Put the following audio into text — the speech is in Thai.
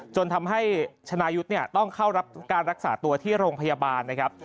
จนทำให้ชนายุทธ์ต้องเข้ารับการรักษาตัวที่โรงพยาบาลนะครับ